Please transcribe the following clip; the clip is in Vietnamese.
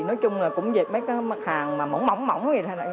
nói chung là cũng dệt mấy cái mặt hàng mà mỏng mỏng mỏng vậy thôi ạ